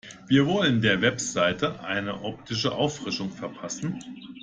Wir wollen der Website eine optische Auffrischung verpassen.